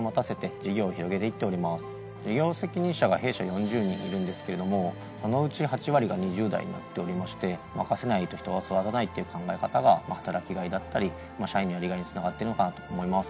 事業責任者が弊社４０人いるんですけれどもそのうちの８割が２０代になっておりまして「任せないと人は育たない」っていう考え方が働きがいだったり社員のやりがいにつながってるのかなと思います。